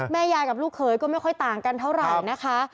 แม่ยายกับลูกเขยก็ไม่ค่อยต่างกันเท่าไหร่นะคะ